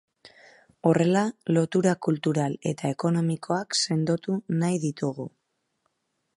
Horrela, lotura kultural eta ekonomikoak sendotu nahi ditugu.